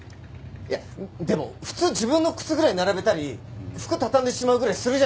いやでも普通自分の靴ぐらい並べたり服畳んでしまうぐらいするじゃないですか。